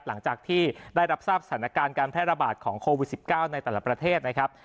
หลังจากที่ได้รับทราบสถานการณ์การแพร่ระบาดของโควิด๑๙ในแต่ละประเทศนะครับ